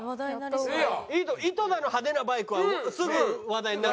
井戸田の派手なバイクはすぐ話題になる。